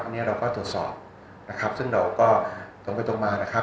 อันนี้เราก็ตรวจสอบนะครับซึ่งเราก็ตรงไปตรงมานะครับ